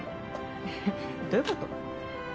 えっどういうこと？